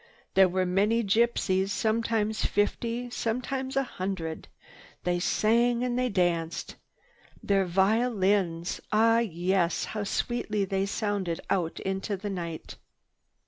There were many gypsies, sometimes fifty, sometimes a hundred. They sang and they danced. Their violins! Ah yes, how sweetly they sounded out into the night!